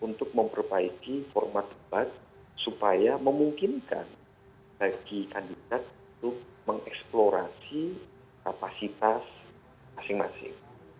untuk memperbaiki format debat supaya memungkinkan bagi kandidat untuk mengeksplorasi kapasitas masing masing